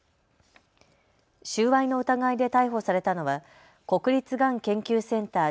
収賄の疑いで逮捕されたのは国立がん研究センター